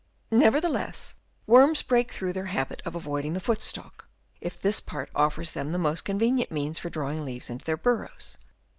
Nevertheless worms break through their habit of avoiding the foot stalk, if this part offers them the most convenient means for drawing leaves into their burrows.